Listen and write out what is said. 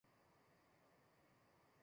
二人一直没有子嗣。